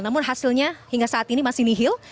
namun hasilnya hingga saat ini masih nihil